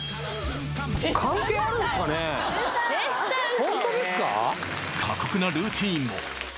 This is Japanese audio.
ホントですか？